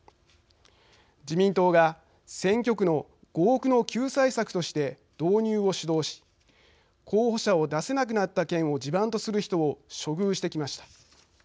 自民党が選挙区の合区の救済策として導入を主導し候補者を出せなくなった県を地盤とする人を処遇してきました。